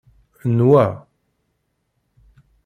Nwa